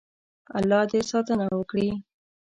الله دې ساتنه وکړي.